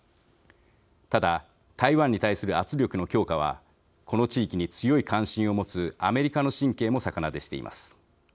ただ、台湾に対する圧力の強化はこの地域に強い関心をもつアメリカの神経も逆なでしています。